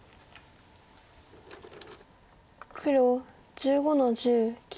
黒１５の十切り。